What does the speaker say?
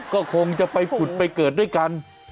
ก็คงจะไปผุดไปเกิดด้วยกัน